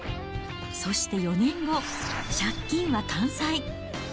そして４年後、借金は完済。